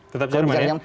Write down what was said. tetap jerman ya